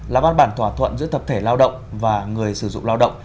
là văn bản thỏa thuận giữa tập thể lao động và người sử dụng lao động